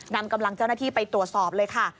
นำกำลังเจ้าหน้าที่ไปตรวจสอบเลยค่ะ